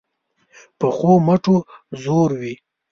پخو مټو زور وي